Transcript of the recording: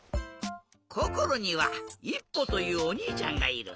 こころにはいっぽというおにいちゃんがいる。